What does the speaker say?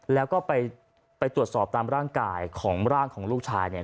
แล้วก็ไปตรวจสอบตามร่างกายของร่างของลูกชายเนี่ย